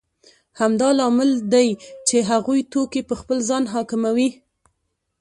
همدا لامل دی چې هغوی توکي په خپل ځان حاکموي